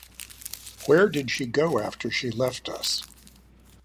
Where did she go after she left us?